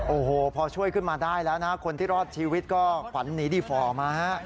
โอ้โหพอช่วยขึ้นมาได้แล้วนะคนที่รอดชีวิตก็ขวัญหนีดีฝ่อมาฮะ